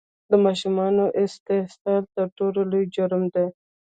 د ماشومانو استحصال تر ټولو لوی جرم دی!